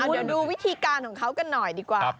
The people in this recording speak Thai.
เดี๋ยวดูวิธีการของเขากันหน่อยดีกว่า